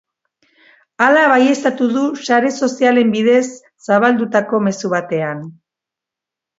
Hala baieztatu du sare sozialen bidez zabaldutako mezu batean.